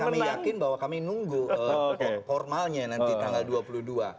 karena kami yakin bahwa kami nunggu formalnya nanti tanggal dua puluh dua